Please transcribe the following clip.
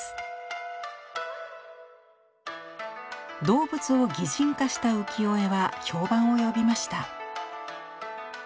動物を擬人化した浮世絵は評判を呼びました。